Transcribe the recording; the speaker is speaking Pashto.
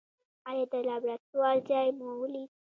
ایا د لابراتوار ځای مو ولید؟